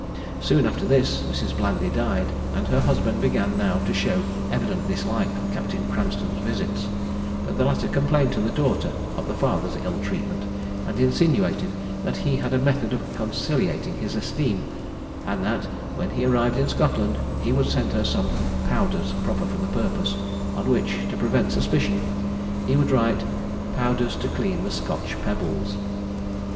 Soon after this, Mrs. Blandy died, and her husband began now to show evident dislike for Captain Cranstoun's visits; but the latter complained to the daughter of the father's ill treatment, and insinuated that he had a method of conciliating his esteem; and that when he arrived in Scotland he would send her some powders proper for the purpose; on which, to prevent suspicion, he would write "Powders to clean the Scotch pebbles."